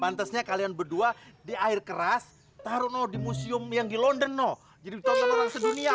pantesnya kalian berdua di air keras taruh di museum yang di london no jadi orang sedunia